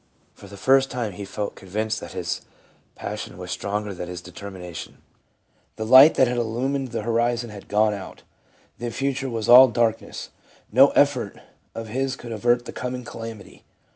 For the first time he felt convinced that his passion was stronger than his determination ; the light that had illumined the hori zon had gone out ; the future was all darkness ; no effort of his could avert the coming calamity.